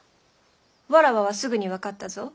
わらわはすぐに分かったぞ。